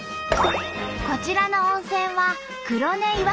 こちらの温泉は黒根岩風呂。